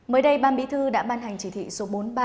mới đây ban bí thư đã ban hành chỉ thị số bốn mươi ba